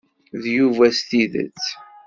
D Yuba s tidet?